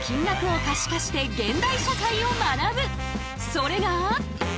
それが。